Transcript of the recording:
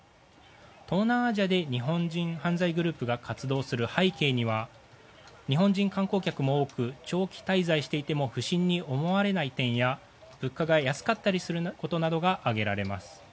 東南アジアで日本人犯罪グループが活動する背景には日本人観光客も多く長期滞在していても不審に思われない点や物価が安かったりする点が挙げられます。